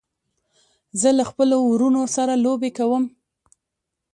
زه له خپلو وروڼو سره لوبې کوم.